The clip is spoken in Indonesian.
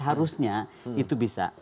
harusnya itu bisa